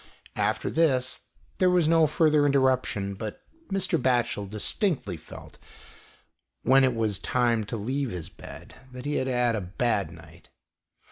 After this, there was no further interruption, but Mr. Batchel distinctly felt, when it was time to leave his bed, that he had had a bad night.